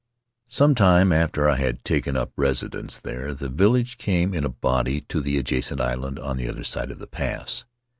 Some time after I had taken up residence there the village came in a body to the adjacent island on the other side of the pass.